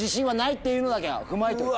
っていうのだけは踏まえといて。